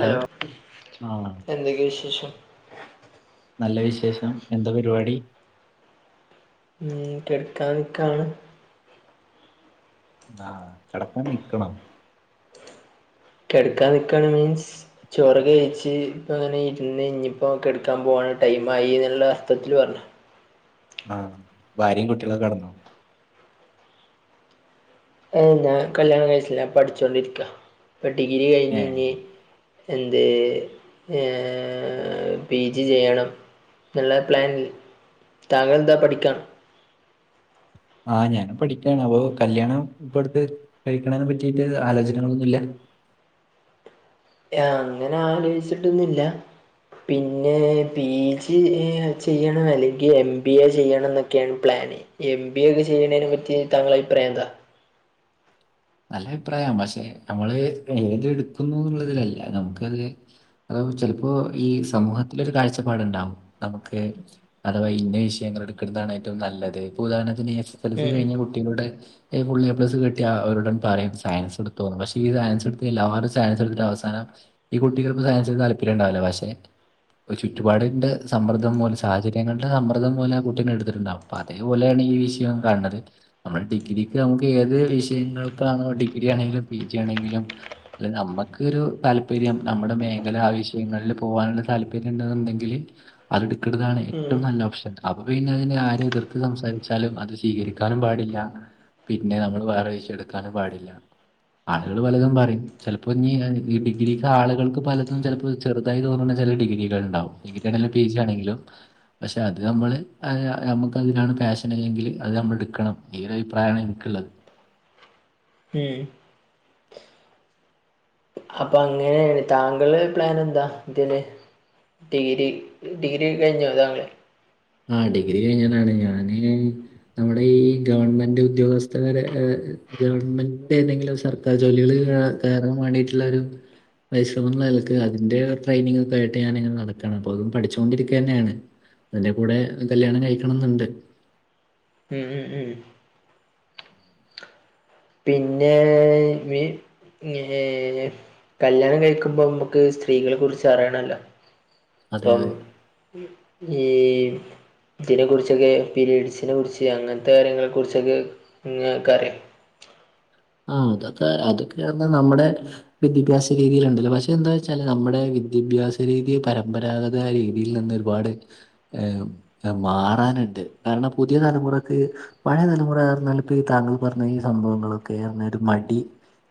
Hello ആ എന്തൊക്കെ വിശേഷം നല്ല വിശേഷം എന്താ പര്പാടി ഉം കെട്ക്കാനിക്കാണ് ആഹാ കെടക്കാൻ നിക്കണോ കെട്കാ നിക്കാണ് മീൻസ് ചോറൊക്കെ കഴിച്ച് ഇപ്പങ്ങനെ ഇരുന്ന് ഇഞ്ഞിപ്പോ കെട്ക്കാൻ പോണ ടൈംമായി ന്ന്ള്ള അർഥത്തിൽ പറഞ്ഞ ആഹ് ഭാര്യിം കുട്ട്യാളൊക്കെ കെടന്നോ ഏ ഞാൻ കല്യാണം കഴിച്ചില്ല പഠിച്ചോണ്ടിരിക്ക ഇപ്പൊ ഡിഗ്രി ഏ കഴിഞ്ഞ് ഇഞ്ഞി എന്തേ ഏ പി ജി ചെയ്യണം ന്നുള്ള പ്ലാൻല് താങ്കൾ എന്താ പഠിക്കാണോ ആഹ് ഞാനും പഠിക്കാണ് അപ്പൊ കല്യാണം ഇപ്പട്ത്ത് കഴിക്കണേന പറ്റിട്ട് ആലോജനകളൊന്നുല്ല യ അങ്ങനെ ആലോയ്ച്ചിട്ടൊന്നുല്ല പിന്നെ പി ജി ഏ ചെയ്യണം അല്ലെങ്കിൽ എം ബി എ ചെയ്യണം എന്നൊക്കെയാണ് പ്ലാന് എം ബി ഒക്കെ ചെയ്യുന്നതിനെ പറ്റി താങ്കളെ അഭിപ്രായം എന്താ നല്ല അഭിപ്രായാ പക്ഷെ നമ്മള് ഏത് എടുക്കുന്നു എന്നുള്ളതിലല്ല നമുക്കത് അത് ചെലപ്പോ ഈ സമൂഹത്തിലൊരു കാഴ്ചപ്പാടുണ്ടാവും നമുക്ക് അഥവാ ഇന്ന വിഷയങ്ങൾ എടുക്കുന്നതാണ് ഏറ്റവും നല്ലത് ഇപ്പൊ ഉദാഹരണത്തിന് എസ് സെ ൽ സി ഉം കയിഞ്ഞ കുട്ടികൾടെ ഫുള്ളെപ്ലസ് കിട്ടിയ അവരു പറയും സയൻസ് എടുത്തോന്ന് പക്ഷെ ഈ സയൻസ് എടുത്തില്ലാരും സയൻസ് എടുത്തിട്ട് അവസാനം ഈ കുട്ടികൾക്ക്‌ ചെലപ്പോ സയൻസ് എട്ക്കാൻ താല്പര്യണ്ടാവൂല പക്ഷെ പ്പോ ചുറ്റുപാടിന്റെ സമ്മർദ്ദം മൂലം സാഹചര്യങ്ങൾ ടെ സമ്മർദ്ദം മൂലം കുട്ടികെ എടുത്തിട്ട്ണ്ടാവും പ്പ അതേപോലെയാണ് ഈ വിഷയവും കാണത് നമ്മള് ഡിഗ്രിക്ക് നമ്മക്ക് ഏത് വിഷയങ്ങള് പ്പളാണോ ഡിഗ്രി ആണെങ്കിലും പി ജി ആണെങ്കിലും അല്ല നമുക്ക് ഒരു താല്പര്യം നമ്മുടെ മേഖല ആ വിഷയങ്ങളിൽ പോകാനുള്ള താല്പര്യം ണ്ടെന്നുണ്ടെങ്കില് അതെടുക്കേണ്ടതാണ് ഉം ഏറ്റവും നല്ല ഓപ്ഷൻ അപ്പൊ പിന്നെ അതിനെ ആരും എതിർത്ത് സംസാരിച്ചാലും അത് സ്വീകരി എടുക്കാനും പാടില്ല പിന്നെ നമ്മൾ വേറെ വിഷയെടുക്കാനും പാടില്ല ആളുകള് പലതും പറിം ചിലപ്പോ ഇഞ്ഞി ഡിഗ്രിക്ക് ആളുകൾക്ക് പലതും ചിലപ്പോ ചെറുതായി തോന്നണെ ചില ഡിഗ്രികൾ ണ്ടാവും ഡിഗ്രി ആണെങ്കിലും പി ജി ആണങ്കിലും പക്ഷെ അത് നമ്മൾ നമുക്ക് അതിലാണ് പാഷനല്ലെങ്കിൽ അത് നമ്മൾ എടുക്കണം ഈ അഭിപ്രായമാണ് എനിക്കുള്ളത് ഈ അപ്പൊ അങ്ങനേണ് താങ്കളെ പ്ലാൻ എന്താ ഇതില് ഡിഗ്രി ഡിഗ്രിയൊക്കെ കഴിഞ്ഞേ താങ്കെ ആ ഡിഗ്രി കഴിഞ്ഞതാണ് ഞാന് നമ്മുടെ ഈ ഗവൺമെന്റ് ഉദ്യോഗസ്ഥരെ ഗവൺമെന്റ് ഏതെങ്കിലും സർ ക്കാർ ജോലികള് കയറാൻ വേണ്ടിട്ടുള്ളരു പരിശ്രമങ്ങൾ ആൾക്കാണ് അതിന്റെ ട്രെനിങ്ങ ഒക്ക ആയിട്ട് ഞാനങ്ങനെ നടക്കണ അപ്പൊ അതും പഠിച്ചുണ്ടിരിക്ക ന്നെയാണ് കൂടെ കല്യാണം കഴിക്കണം ന്നുണ്ട് ഉം ഉം ഉം പിന്നേ വി ഹേ കല്യാണം കഴിക്കുമ്പോ നമ്മുക്ക് സ്ത്രീകളെ കുറിച്ച് അറിയണല്ലോ അതെ ഇപ്പം അതെ. ഈ ഇതിനെക്ക കുറിച്ചൊക്കെ പീരീഡ്സിനെ കുറിച്ച് അങ്ങനത്തെ കാര്യങ്ങളെക്ക കുറിച്ചൊക്കെ ഇങ്ങക്കെ അറിയോ ആ അതൊക്കെ അതൊക്കെ പറഞ്ഞ നമ്മുടെ വിദ്യാഭ്യാസ രീതിയൽണ്ടല്ലോ പക്ഷെ എന്താ വച്ചാല് നമ്മുടെ വിദ്യാഭ്യാസ രീതി പരമ്പരാഗത രീതിയിൽ നിന്ന് ഒരുപാട് മാറാനുണ്ട് കാരണം പുതിയ തലമുറക്ക് പഴയ തലമുറ [unintelligible] താങ്കൾ പറഞ്ഞ ഈ സംഭവങ്ങളൊക്കെ പറഞ്ഞ ഒരു മടി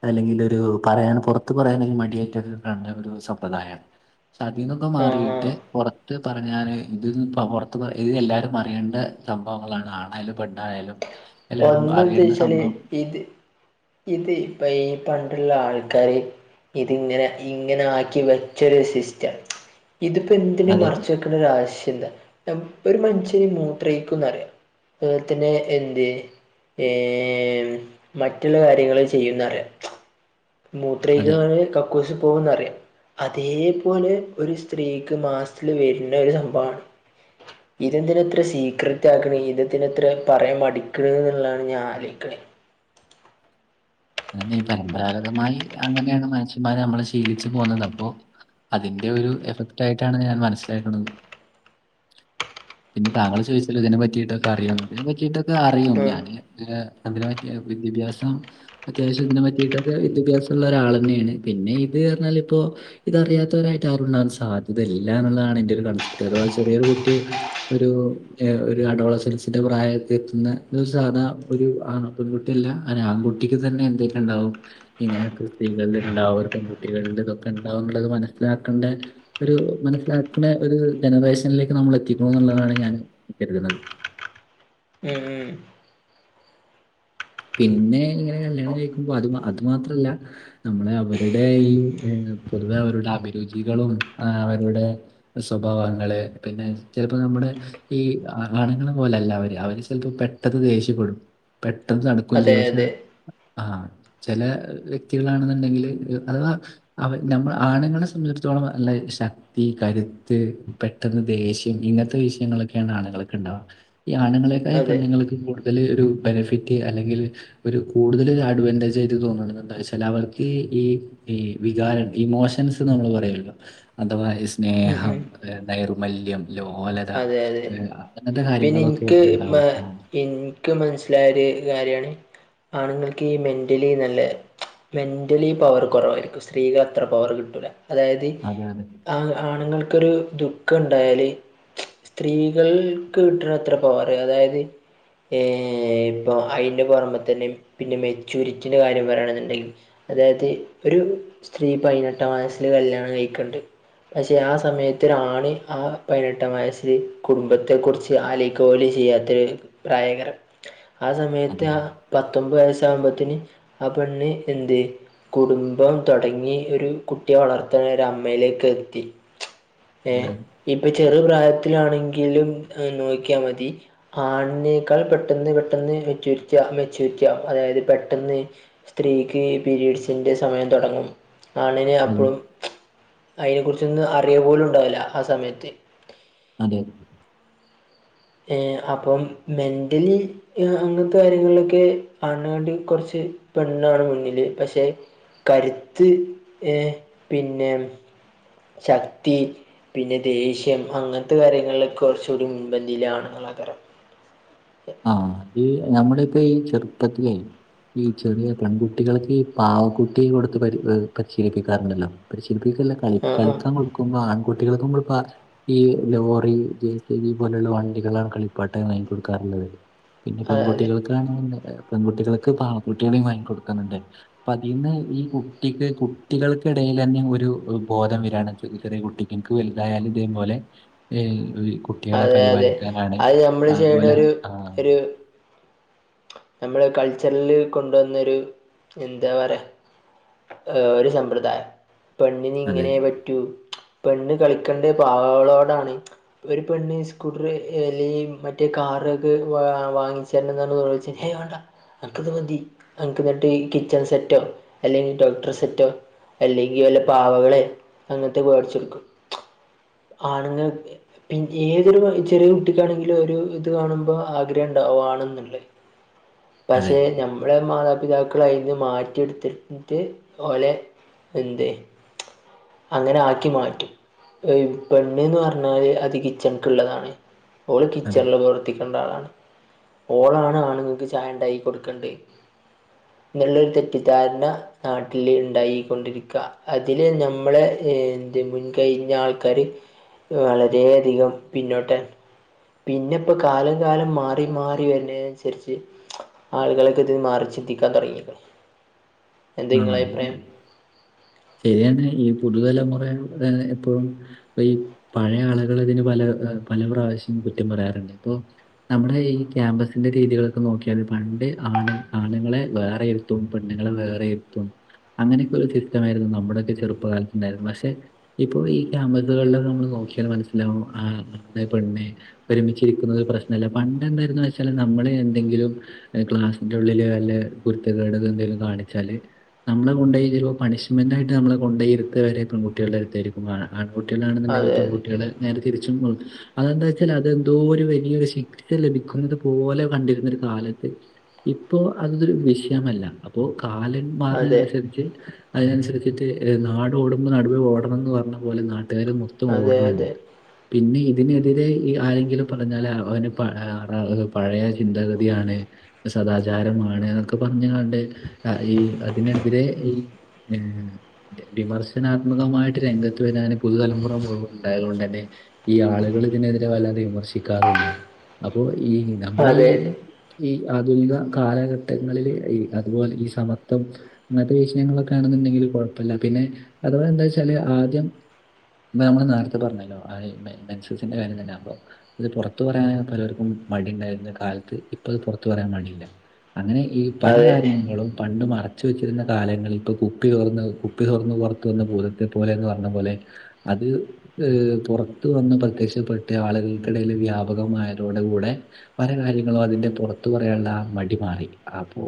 അല്ലെങ്കിൽ ഒരു പറയാൻ പുറത്ത് പറയാനെങ്കിൽ മടിയായിറ്റൊക്കെ കണ്ട ഒരു സമ്പ്രദായ അതിന്നൊക്കെ ആ ആ മാറിയിട്ട് പുറത്ത് പറഞ്ഞാല് ഇത് പുറത്ത് ഇത് എല്ലാവരും അറിയേണ്ട സംഭവങ്ങളാണ് ആണായാലും പെണ്ണായാലും എല്ലാരും അറിയേണ്ട സംഭവം ഏത് ഇത് ഇപ്പൊ ഈ പണ്ടുള്ള ആൾക്കാര് ഇതിങ്ങനെ ഇങ്ങനെ ആക്കി വെച്ചൊരു സിസ്റ്റം ഇതിപ്പോ എന്തിന് അതെ മറച്ച് വെക് ണ്ട ആവശ്യം എന്താ ഒരു മനുഷ്യന് മൂത്രയ്ക്കുംന്ന് അറിയാ അ പോൽ തന്നെ ന്ത് ഏ മറ്റുള്ള കാര്യങ്ങൾ ചെയ്യുംന്നറിയ മൂത്ര അതെ ഒയ്ക്കാൻ കക്കൂസിൽ പോകുന്നറിയാം അതേപോലെ ഒരു സ്ത്രീക്ക് മാസ്ത്തില് വരുന്ന ഒരു സംഭവമാണ് [inaudible] ഇതെന്തിനെത്ര സീക്രറ്റ് ആക്കണ ഇതെന്തിനത്ര പറയാൻ മടിക്കണ ന്നള്ളാണ് ഞാൻ ആലോചിക്കണത് അതന്നെ പരമ്പരാഗതമായി അങ്ങനെയാണ് മനുഷ്യന്മാര് നമ്മള് ശീലിച്ചു പോകുന്നത് അപ്പോ അതിന്റെ ഒരു എഫക്റ്റ് ആയിട്ടാണ് ഞാൻ മനസ്സിലാക്കുന്നത് പിന്നെ താങ്കൾ ചോദിചിലെ ഇതിനെ പറ്റിയിട്ടൊക്കെ അറിയോ തിനെ പറ്റിയിട്ടൊക്കെ അറിയും ആ ഞാന് ഏ അതിനെ പറ്റി വിദ്യാഭ്യാസം അത്യാവശ്യം ഇതിനെ പറ്റിയിട്ടൊക്കെ വിദ്യാഭ്യാസമുള്ള ഒരാൾ ന്നെയാണ് പിന്നെ ഇത് പറഞ്ഞാല് പ്പോ ഇതറിയാത്തവരായിട്ട് ആരുണ്ടാകൻ സാധ്യതയില്ല എന്നുള്ളതാണ് എന്റെ ഒരു കൺസ്പറ്റ് അഥവാ ആ ചെറിയൊരു കുട്ടിയെ ഒരു ഒരു അടോളസൻസിന്റെ പ്രായത്തെ എത്തുന്ന സാധാ ഒരു ആണ് കുട്ടില്ല ആൺകട്ടിക്ക് തന്നെ എന്തൊക്കെ ഉണ്ടാവും ഇങ്ങനൊക്കെ സ്ത്രീകളിൽ ഉണ്ടാവും ഒരു പെൺകുട്ടികളുടെ ഇതൊക്കെ ഉണ്ടാവു ള്ളത് മനസ്സിലാക്കേണ്ടേ ഒരു മനസ്സിലാക്കുന്ന ഒരു ജനറേഷനിലേക്ക് നമ്മൾ എത്തിക്കണ എന്നുള്ളതാണ് ഞാൻ കരുതുന്നത് ഉം ഉം പിന്നെ ഇങ്ങനെ കല്യാണം കഴിക്കുമ്പോ അത് അത് മാത്രല്ല നമ്മളെ അവരുടെ ഈ പൊതുവെ അവരുടെ അഭിരുചികളും അവരുടെ സ്വഭാവങ്ങള് പിന്നെ ചിലപ്പോ നമ്മുടെ ഈ ആ ആണുങ്ങള പോലെല്ല അവര് അവര് ചിലപ്പോ പെട്ടെന്ന് ദേഷപ്പെടും പെട്ടെന്ന് തണുക്കുകയും അതെ ചെയ്യും പക്ഷെ അതെ ആ ചില വ്യക്തികളാണെന്നുണ്ടെങ്കില് അഥവാ അവ നമ്മൾ ആണുങ്ങളെ സംബന്ധിച്ചടത്തോളം അല്ല ശ തീ കരുത്ത് പെട്ടെന്ന് ദേഷ്യം ഇങ്ങനത്തെ വിഷയങ്ങളൊക്കെയാണ് ആളുകൾക്കെ ഉണ്ടാവുക ഈ ആണുങ്ങളെക്കായ അതെ പണ്ണുങ്ങൾക്ക് കൂടുതൽ ഒരു ബെനിഫിറ്റ് അല്ലെങ്കിൽ ഒരു കൂടുതൽ അഡ്വാൻറേജ് ആയിട്ട് തോന്നണ എന്താ വെച്ചാൽ അവർക്ക് ഈ ഈ വികാരം ഇമോഷൻസ് നമ്മള് പറയല്ലോ അഥവാ ഉം സ്നേഹം ഉം നൈർമ്മല്യം ലോലത അതെ അതെ അങ്ങനത്തെ പിന്നെ കാര്യങ്ങളൊക്കെ എനിക്ക് മ ഉണ്ടാവും എനിക്ക് മനസ്സിലായ കാര്യമാണ് ആണുങ്ങൾക്ക് ഈ മെന്റലി നല്ല മെൻ്റലി പവർ കുറവായിരിക്കും സ്ത്രീക്ക് അത്ര പവർ കിട്ടൂല്ല അതായത് അതെ അതെ ആ ആണുങ്ങൾക്കൊരു ദുഃഖം ഉണ്ടായാല് സ്ത്രീകൾക്ക് കിട്ടണ അത്ര പവറ അതായത് ഏ ഇപ്പം അതിന്റെ പുറമെ തന്നെ പിന്നെ മെച്യൂരിറ്റീൻ്റെ കാര്യം പറയണെന്നുണ്ടെങ്കിൽ അതായത് ഒരു സ്ത്രീ പതിനെട്ടാം വയസിൽ കല്യാണം കഴിക്കണ്ട് പക്ഷെ ആ സമയത്തിനാണ് ആ പതിനെ നെട്ടാം വയസില് കുടുംബത്തെ കുറിച്ച് ആലോചിക്ക പോലും ചെയ്യാത്തരു പ്രായകരം ആ സമയത്ത് അതെ ആ പത്തൊമ്പത് വയസ്സ ആവ്മ്പോത്ത്ന് ആ പെണ്ണ് എന്ത് കുടുംബം തൊടങ്ങി ഒരു കുട്ടിയെ വളർത്ത്ണ ഒരു അമ്മയിലേക്ക് എത്തി ഏ അതെ ഇപ്പൊ ചെറു പ്രായത്തിലാണെങ്കിലും നോക്കിയാ മതി ആൺനെ ക്കാൾ പെട്ടെന്ന് പെട്ടെന്ന് മെചൂര്റ്റി ആ മെചൂര്റ്റി ആവും അതായത് പെട്ടെന്ന് സ്ത്രീക്ക് പീരീഡ്സിൻ്റെ സമയം തോട്ങ്ങും ആണിന് അതെ അപ്പഴും അഴിനെ കുർച്ചൊന്നും അറിയ പോലും ഉണ്ടാവില്ല ആ സമയത്ത് അതെ ഏ അപ്പം മെന്റലി അങ്ങൻത്ത കാര്യങ്ങൾലൊക്കെ ആണുങ്ങ ളകാട്ടിം കൊർച്ച് പെണ്ണാണ് മുന്നില് പഷെ കരുത്ത് എ പിന്നെ ശക്തി പിന്നെ ദേഷ്യം അങ്ങൻത്ത കാര്യങ്ങളിലൊക്കെ കൊർച്ചൂടി മുൻപന്തിയിലാണ് [unintelligible] ആഹ് അത് ഞമ്മള് ഇപ്പ ഈ ചെർപ്പത്തിലെ ഈ ചെറിയ പെൺകുട്ടികൾക്ക് ഈ പാവക്കുട്ടി കൊടുത്ത് പരി പരിശീലിപ്പിക്കാറുണ്ടല്ലോ പരിശീലിപ്പിക്കല്ല കളി ആ ആ കളിക്കാം കൊടുക്കുമ്പോ ആൺകുട്ടികൾക്കും കൊടുപ്പാ ഈ ലോറി ജെ സി ബി പോലെള്ള വണ്ടികളാണ് കളിപ്പാട്ടായി വാങ്ങി കൊടുക്കാറുള്ളത് പിന്നെ അതെ പെൺകുട്ടികൾക്കാണ്ന്ന്ണ്ട പെൺകട്ടികൾക്ക് പാവകുട്ടിയളീം വാങ്ങി കൊടുക്ക്‌ണ് ണ്ട് അപ്പ അതിന്ന് ഈ കുട്ടിക്ക് കുട്ടികൾക്കിടയില ന്നെ ഒരു ബോധം വരാണ് ചെറിയ കുട്ടിക്ക് ഇൻക് വൽതായാല് ഇതേപോലെ കു അതെ അതെ അത് നമ്മള് ചെയ്യണരു ആഹ് ഒരു നമ്മള് കൾച്ചർല് കൊണ്ടുവന്നൊരു എന്താ പറയാ ഒരു സമ്പ്രദായം പെണ്ണിന് അതെ. ഇങ്ങനെ റ്റു പെണ്ണ് കളിക്കണ്ടിയെ പാവകളോടാണ് ഒര് പെണ്ണ് സ്കൂട്ടറ് ഏ അല്ലെങ്കി മറ്റേ കാറൊക്കെ വാ വാങ്ങിച്ചലെന്താണ് ഓ ഏയ്‌ വാണ്ട അൻക്ക്‌ ത് മതി അൻക് മറ്റേ ഈ കിച്ചൺ സെറ്റോ അല്ലെങ്കി ഡോക്ടർ സെറ്റോ അല്ലെങ്കി വല്ല പാവകളെ അങ്ങട്ട് വേട്ച്ചൊട്ക്കും ആണ്ങ്ങക്ക് പിന്നെ ഏതൊരു ചെറ്യേ കുട്ടിക്കാണെങ്കിലും ഒരു ഇത് കാണുമ്പോ ആഗ്രഹണ്ടാവും വാണന്ന്ള്ളെ അതെ. പഷെ ഞമ്മളെ മാതാപിതാ ക്കള് അയ്ന്ന് മാറ്റിട്ത്ത്ട്ട് ഓലെ എന്ത് അങ്ങനാക്കി മാറ്റും എഹ് പെണ്ണ്ന്ന് പർഞ്ഞാല് അത് കിച്ചൺക്ക്ള്ളതാണ് ഓള് അതെ. കിച്ചൺല് പ്രവർത്തിക്കണ്ടാളാണ് ഓളാണ് ആണ്ങ്ങൾക്ക് ചായണ്ടാക്കി കൊട്ക്കണ്ടെ ന്ന്ള്ളൊരു തെറ്റിദ്ധാര്ണ നാട്ടില് ഇണ്ടായിക്കൊണ്ടിരിക്ക അതില് ഞമ്മളെ ഏ എന്ത് മുൻകയിഞ്ഞാൾക്കാര് വളരേ അധികം പിന്നോട്ട് പിന്നെ പ്പൊ കാലം കാലം മാറി മാറി വര്ണേനൻസ സര്ച്ച് ആള്കളൊക്കെത് മാറിച്ചിന്തിക്കാൻ തൊട്ങ്ങീക്ക്ണ് ആ അതന്നെ ശര്യന്നെ ഈ പുതുതലമുറ ഏ എപ്പോഴും പ്പൊ ഈ പഴയാള്കളിതിന് പല പല പ്രാവശ്യം കുറ്റം പറയാറ്ണ്ട് ഇപ്പൊ നമ്മളെ ഈ ക്യാമ്പസിന്റെ രീതികളൊക്കെ നോക്കിയാല് പണ്ട് ആണ് ആണ്ങ്ങളെ വേറെ ഇ ര്ത്തും പെണ്ണ്ങ്ങളെ വേറെര്ത്തും അങ്ങനൊക്കൊരു സിസ്റ്റമായിര്ന്നു നമ്മടൊക്കെ ചെറുപ്പകാലത്ത്ണ്ടായിര്ന്ന് പഷെ ഇപ്പൊ ഈ ക്യാമ്പസുകളിലൊക്കെ നമ്മള് നോക്കിയാ മനസ്സിലാവും [unintelligible] പെണ്ണ് ഒരുമിച്ചിരിക്കുന്നത് പ്രശ്നല്ല പണ്ട് എന്തായിരുന്ന് വെച്ചാല് നമ്മള് എന്തെങ്കിലും ഏ ക്ലാസ്സിന്റുള്ളില് വല്ല കുര്ത്തക്കേടെക്കെന്തെങ്കിലും കാണിച്ചാല് നമ്മളെ കൊണ്ടോയ്രു പണിഷ്മെന്റായിട്ട് നമ്മളെ കൊണ്ടോയിര്ത്ത വരേ പെങ്കുട്ടികൾടെ ട്ത്തായിരിക്കും ആ ആൺകുട്ട്യാളാണ്ന്നുണ്ടങ്കിലും അതെ പെൺകുട്ടികള് നേരെ തിരിച്ചും അതെന്താ വെച്ചാല് അതെന്തോരു വല്ല്യരു ശിക്ഷ ലഭിക്കുന്നത് പോലെ കണ്ടിര്ന്നൊരു കാലത്ത് ഇപ്പോ അതൊരു വിഷയമല്ല അപ്പോ കാലൻ അതെ മാറ്‌ണനന്സരിച്ച് അയ്നൻസര്ച്ച്ട്ട് നാടോടുമ്പൊ നടുവേ ഓടണംന്ന് പർഞ്ഞ പോലെ നാട്ടാര് മൊ ത്തം അതെ ഓട്ണ് അതെ ണ്ട് പിന്നെ ഇതിനെതിരേ ഈ ആരെങ്കിലും പറഞ്ഞാല് അവന് പഴെ ആറാള്കൾ പഴയ ചിന്താഗതിയാണ് സദാചാരമാണ്ന്നൊക്കെ പറഞ്ഞ്കാണ്ട അ ഈ അതിനെതിരെ ഈ നി വിമർശനാത്മകമായിട്ട് രംഗത്ത് വര്നേന് പുതുതലമുറ മുഴുവ ണ്ടാലോണ്ടെന്നെ ഈ ആളുകളിതിനെതിരെ വല്ലാതെ വിമർശിക്കാറൂല്ല അപ്പൊ ഈ നമ്മുടെ അതെ അതെ ഈ ഈ ആധുനിക കാലഘട്ടങ്ങളില് ഈ അതുപോലെ ഈ സമ ട്ടം ങ്ങൻത്തെ വിഷയങ്ങളൊക്കേണ്ന്ന്ണ്ടെങ്കില് കൊഴപ്പല്ല പിന്നെ അതവാന്താച്ചാല് ആദ്യം മ്മെ മ്മള്നേര്ത്തെ പർഞ്ഞല്ലോ ആ ഈ മെ മെൻസസിന്റെ കാര്യം തന്നെ അപ്പൊ ത് പൊറത്ത് പറയാനാപലോര്ക്കും മടിണ്ടായിര്ന്ന കാൽത്ത് ഇപ്പത് പൊർത്ത് പറയാൻ മടില്ല അങ്ങനെ ഈ പല അതെ കാര്യങ്ങളും പണ്ട് മാ അച്ച് വെച്ചിര്ന്ന കാലങ്ങളിൽപ്പൊ കുപ്പി തൊർന്ന് കുപ്പി തൊർന്ന് പൊർത്ത് വന്ന ഭൂതത്തെ പോലേന്ന് പറഞ്ഞ പോലെ അത് അ് പൊറത്ത് വന്ന് പ്രത്യക്ഷപ്പെട്ട് ആളുകൾക്കിടയില് വ്യാപകമായതോട കൂടെ പല കാര്യങ്ങളും അതിന്റെ പൊറത്ത് പറയാന്ള്ളാ മടി മാറി അപ്പൊ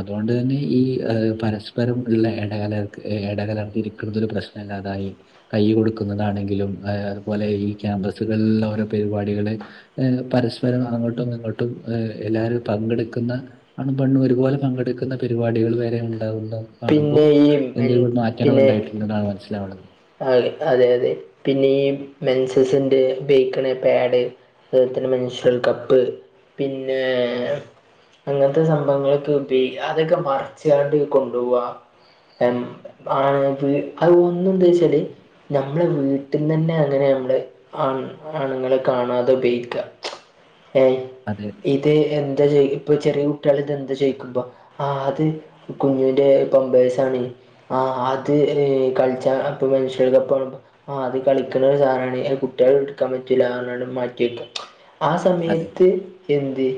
അതോണ്ട് തന്നി ഈ ഏ പരസ്പരം അ്ള്ള എടകലർക്ക് എടകലർന്നിര്ക്കണതരു പ്രശ്നല്ലാതായി കയ്യ് കൊടുക്കുന്നതാണെങ്കിലും ഏ അത്പോലെ ഈ ക്യാമ്പസുകളില്ള്ള ഓരോ പരിപാടികള് ഏ പരസ്പരം അങ്ങട്ടും ഇങ്ങട്ടും ഏ എല്ലാരും പങ്കെട്ക്ക്ന്ന ആണും പെണ്ണും ഒരുപോലെ പങ്കെട്ക്ക്ന്ന പരിപാടികൾ വരെ ഉണ്ടാവുണ്ടോ കാണുമ്പൊ പിന്നെ ഈ മെൻ എന്തെങ്കിലും മാറ്റങ്ങള്ണ്ടായിട്ട്ണ്ട്ന്നാണ് മനസ്സിലാവ്ണത് ആഹ് അതെ അതെ പിന്നെ ഈ മെൻസസിന്റെ ഉപേഗിക്ക്ണ പാഡ് അത്പോൽ തന്നെ മെൻഷ്യൽ കപ്പ് പിന്നെ അങ്ങനത്തെ സംഭവങ്ങളെക്കെ ബേയി അതൊക്കെ മറച്ച് കാണ്ട് കൊണ്ടോവാ എം അഹ് പീ അതൊന്നും ദ്ദേശ ല് ഞമ്മളെ വീട്ടിന്നന്നെ അങ്ങനെ ൺലോഅ് ആൺ ആണ്ങ്ങള് കാണാതെ ബേക്യ ഏഹ് അതെ ഇ ത് എന്താ ചോയ്ക്യു പ്പചെറിയ കുട്ട്യേള്തെന്താ ചോയിക്കുമ്പോ ആഹ് ത് കുഞ്ഞുന്റെ പാമ്പേഴ്സാണ് ആഹ് അത് അ് കളിച് പ്പ മെൻഷ്യൽ കപ്പാണ് ആഹ് അത് കളിക്ക്ണ സാനാണ് എ കുട്യേള് ട്ക്കാമ്പറ്റൂല്ലാർഞാണ്ട് മാറ്റി വെക്കും ആ അതെ. സമയത്ത് എന്ത്‌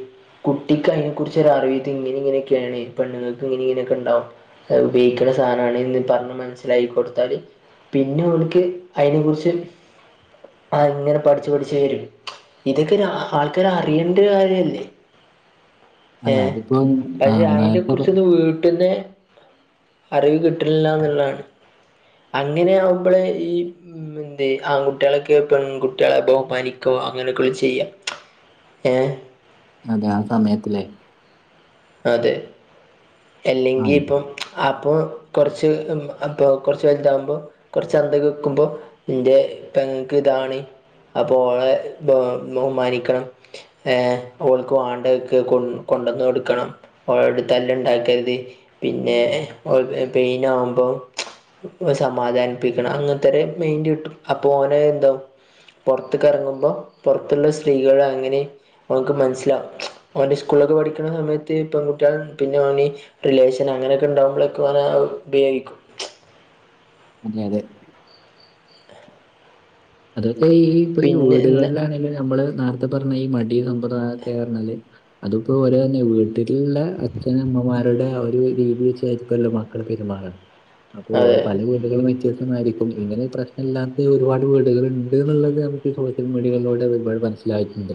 കുട്ടിക്കയ്നെ കുറിച്ച് ഒരറിവിത്തി ങ്ങനെ ഇങ്ങനെക്കെണ് പെണ്ണ്ങ്ങക്ക് ഇങ്ങനി ഇങ്ങനെക്കെണ്ടാവും അഅ്ബേഗിക്ക്ണ സാനാണ്ന്ന് പർഞ്ഞ് മനസ്സിലായികൊട്ത്താളി പിന്നെ ഓൽക്ക് അയ്നെ കുറിച്ച് ആഹ് ഇങ്ങനെ പഠിച്ചു പഠിച്ചു വേരും ഇതൊക്കെന് ഹ ആൾക്കാര് അറിയണ്ടോരു കാര്യല്ലേ അല്ല ഏഹ് അതിപ്പോ പഷേ ആഹ് അയിനെ നേരത്തെ പ കുറിച്ചൊന്നു വീട്ടിന്ന് അറിവ് കിട്ണ്ല്ലാന്ന്ള്ളതാണ് അങ്ങനെയാവുമ്പളെ ഈ ഉം മെന്തേ ആൺ കുട്ടേളക്കെ പെൺകുട്ടിളെ ബഹുമാനിക്കു അങ്ങനൊക്കെ ചെയ്യാ ഏഹ് അതെ ആഹ് സമയത്ത്ലേ അതെ ആഹ് ഇത് എല്ലെങ്കിപ്പം അപ്പോ കൊർച്ച് മ് അപ്പോ കൊർച്ച് വൽതാമ്പോ കൊർച്ചന്തക്കെക്ക്മ്പോ ഇന്റെ പെങ്ങക്ക്താണ് അപ്പോ ഓളെ ബഹു ബഹുമാനിക്കണം ഏഹ് ഓൾക്ക് വാണ്ടഅ്ക്കെ കൊ കൊണ്ടന്നൊട്ക്കണം ഓളോട് തല്ല്ണ്ടാക്കര്ത് പിന്നെ ഓൾക് പെയ്നാമ്പോ പ്പോ സമാധാനിപ്പിക്കണം അങ്ങൻ ത്തൊരെ മെയ്ന്റിട്ടും അപ്പോ ഓനെ ന്താവും പൊറത്ത്ക്കെറങ്ങുമ്പോ പൊറത്ത്ള്ള സ്ത്രീകള് അങ്ങനേം ഓൻക്ക് മനസ്സിലാവും ഓന്റെ സ്‌കൂളിലൊക്കെ പഠിക്ക്ണ സമയത്ത് ത്തി പെങ്കുട്ടികൾ പിന്നെ ഓന് റിലേഷൻ അങ്ങനൊക്കെ [unintelligible] ഉപയോഗിക്കും അതെ അതെ അതൊക്കെ ഈ ഇപ്പോ ഈ പിന്നെ വീടുകളിലാണെലും ഞമ്മള് അതാ പറഞ്ഞ ഈ മടി സമ്പ്രദായക്കെ പറഞ്ഞാല് അതിപ്പോ ഒരന്നെ വീട്ടി ട്ടിള്ള അച്ഛനമ്മമാരുടെ ഒരു രീതി വച്ചരിക്കല്ലോ മക്കള് പെരുമാറാ അപ്പോ ഓരോ അതെ പല വീടുകളും വ്യത്യസ്തമായിയിരിക്കും ഇങ്ങനെ പ്രശ്നം ഇല്ലാത്ത ഒരുപാട് വീട് [unintelligible] ണ്ട്ന്ന്ള്ളത് നമക്ക് ഈ സോഷ്യൽ മിഡിയകളിലൂടെ ഒരുപാട് മനസ്സിലായിട്ടുണ്ട്.